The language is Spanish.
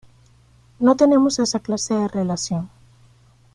No tenemos esa clase de relación.